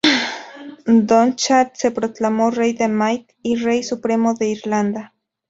Donnchad se proclamó rey de Mide, y rey supremo de Irlanda.